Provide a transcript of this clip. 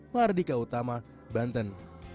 mardika utama banten